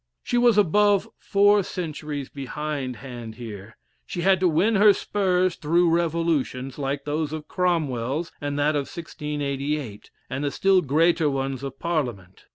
She was above four centuries behind hand here. She had to win her spurs through revolutions, like those of Cromwell's and that of 1688, and the still greater ones of Parliament.